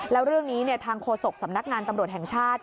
แล้วเรื่องนี้ทางโฆษกสำนักงานตำรวจแห่งชาติ